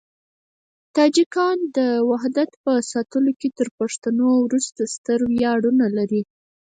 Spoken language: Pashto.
تاجکان د وحدت په ساتلو کې تر پښتنو وروسته ستر ویاړونه لري.